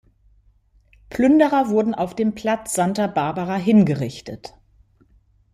Plünderer wurden auf dem Platz Santa Barbara hingerichtet.